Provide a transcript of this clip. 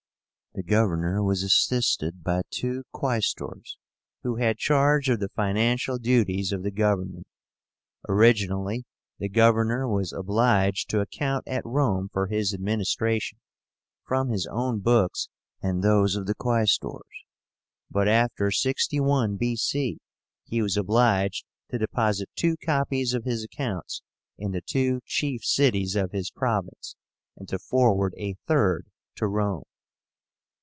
The governor was assisted by two QUAESTORS, who had charge of the financial duties of the government. Originally the governor was obliged to account at Rome for his administration, from his own books and those of the Quaestors; but after 61 B. C., he was obliged to deposit two copies of his accounts in the two chief cities of his province, and to forward a third to Rome.